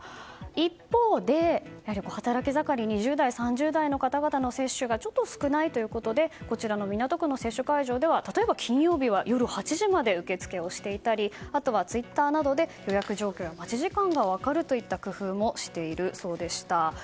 一方で、やはり働き盛り２０代、３０代の方々の接種が少ないということで港区の接種会場では例えば金曜日は夜８時まで受け付けをしていたりあとは、ツイッターなどで予約状況や待ち時間が分かるといった工夫もしているそうでした。